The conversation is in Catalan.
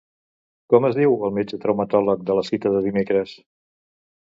Com es diu el metge traumatòleg de la cita de dimecres?